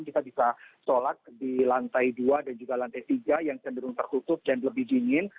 kita bisa sholat di lantai dua dan juga lantai tiga yang cenderung tertutup dan lebih dingin